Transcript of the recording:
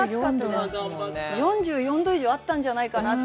４４度以上あったんじゃないかなって。